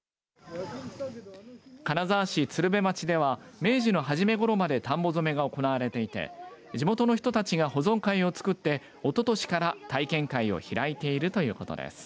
金沢市釣部町では明治の初めごろまで田んぼ染めが行われていて地元の人たちが保存会を作って、おととしから体験会を開いているということです